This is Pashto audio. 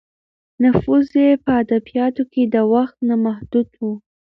نفوذ یې په ادبیاتو کې د وخت نه محدود و.